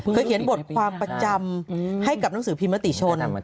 เขียนบทความประจำให้กับหนังสือพิมมติชน